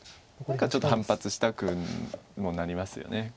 何かちょっと反発したくもなりますよね